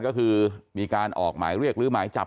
ก็คือมีการออกหมายเรียกหรือหมายจับ